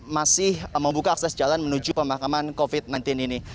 masih membuka akses jalan menuju pemakaman covid sembilan belas ini